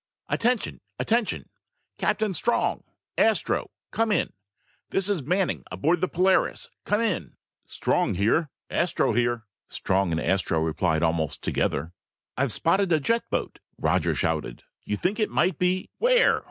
"Attention! Attention! Captain Strong! Astro! Come in! This is Manning aboard the Polaris! Come in!" Strong and Astro replied almost together. "Strong here!" "Astro here!" "I've spotted a jet boat!" Roger shouted. "You think it might be " "Where?"